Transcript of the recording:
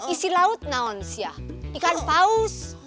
isi laut naons yaa ikan paus